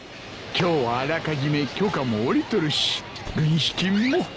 今日はあらかじめ許可も下りとるし軍資金も。